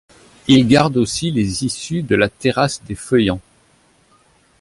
Ils gardent aussi les issues de la Terrasse des Feuillants.